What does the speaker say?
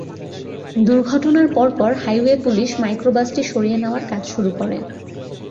দুর্ঘটনার পর পর হাইওয়ে পুলিশ মাইক্রোবাসটি সরিয়ে নেওয়ার কাজ শুরু করে।